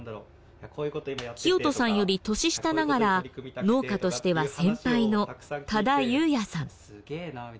聖人さんより年下ながら農家としては先輩の多田悠也さん。